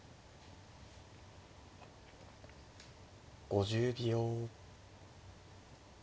５０秒。